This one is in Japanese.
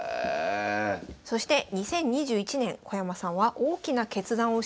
そして２０２１年小山さんは大きな決断をします。